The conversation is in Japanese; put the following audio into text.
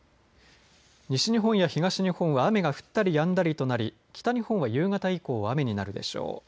西日本や東日本は雨が降ったりやんだりとなり北日本は夕方以降雨になるでしょう。